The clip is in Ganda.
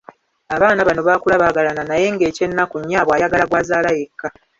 Abaana bano baakula baagaalana naye nga eky’ennaku nnyaabwe ayagala gw’azaala yekka!